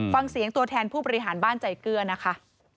ฟังเสียงตัวแทนผู้บริหารบ้านใจเกลือนะคะ